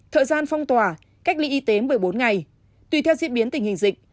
thời gian phong tỏa cách ly y tế một mươi bốn ngày tùy theo diễn biến tình hình dịch